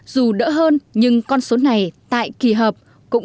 dù đỡ hơn nhưng con số này tại kỳ họp cũng